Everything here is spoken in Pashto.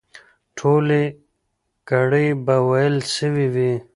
ټولې ګړې به وېل سوې وي.